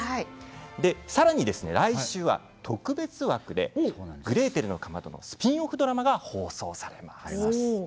さらに、来週は特別枠で「グレーテルのかまど」のスピンオフドラマが放送されます。